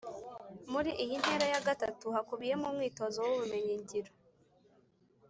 Muri iyi ntera ya gatatu hakubiyemo umwitozo w’ubumenyingiro